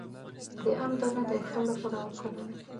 د ام دانه د اسهال لپاره وکاروئ